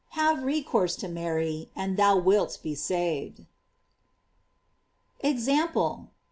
Have recourse to Mary, and thou wilt be saved. EXAMPLE.